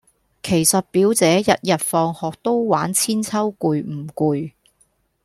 其實表姐日日放學都玩韆鞦攰唔攰